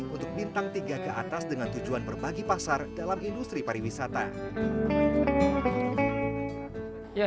untuk bintang tiga ke atas dengan tujuan berbagi pasar dalam industri pariwisata